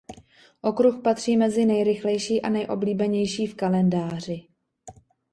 Okruh patří mezi nejrychlejší a nejoblíbenější v kalendáři.